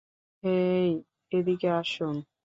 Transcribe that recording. হেই, এদিকে আসুন।